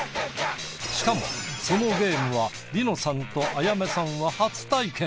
しかもそのゲームは梨乃さんと彩芽さんは初体験。